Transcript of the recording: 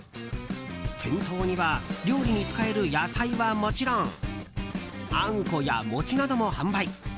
店頭には料理に使える野菜はもちろんあんこや、餅なども販売。